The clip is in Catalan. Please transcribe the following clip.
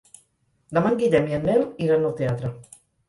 Demà en Guillem i en Nel iran al teatre.